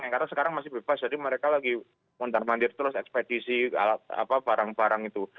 karena sekarang masih bebas jadi mereka lagi mundar mandir terus ekspedisi barang barang itu